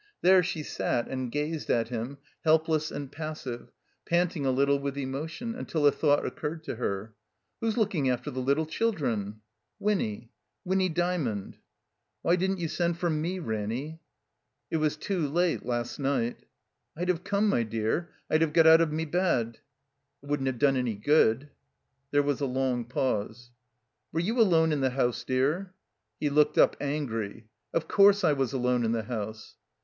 There she sat and gazed at him, helpless and passive, panting a little with emotion ; until a thought occurred to her. 'Who's looking after the little children?" "Winny — ^Winny Dymond." 'Why didn't you send for tne, Ranny?" It was too late — ^last night." I'd have come, my dear. I'd have got out of me bed." "It wouldn't have done any good." There was a long pause. "Were you alone in the house, dear?" He looked up, angry. "Of coiu se I was alone in the house."